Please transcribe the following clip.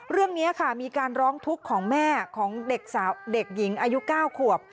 เรื่องนี้ค่ะมีการร้องทุกข์ของแม่ของเด็กหญิงอายุ๙ขวบ